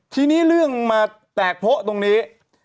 ทีนี้เรื่องมาแตกโพะตรงนี้